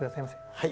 はい。